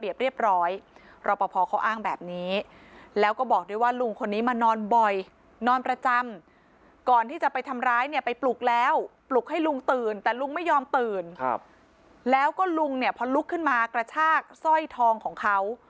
ยอมตื่นครับแล้วก็ลุงเนี้ยพอลุกขึ้นมากระชากสร้อยทองของเขา